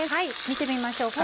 見てみましょうか。